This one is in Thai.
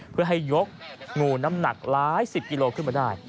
เพื่อให้ยกงูน้ำหนักร้าย๑๐กิโลกรัมขึ้นมาได้